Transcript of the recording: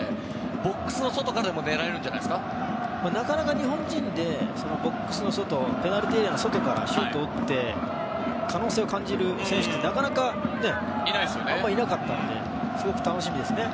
ボックスの外からでもなかなか日本人でペナルティーエリアの外からシュートを打って可能性を感じる選手ってなかなかいなかったので。